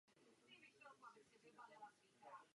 Nejčastějšími materiály jsou beton a ocel.